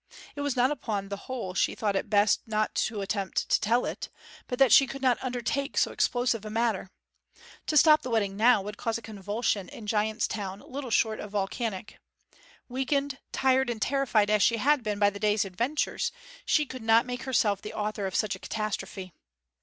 It was not that upon the whole she thought it best not to attempt to tell it; but that she could not undertake so explosive a matter. To stop the wedding now would cause a convulsion in Giant's Town little short of volcanic. Weakened, tired, and terrified as she had been by the day's adventures, she could not make herself the author of such a catastrophe.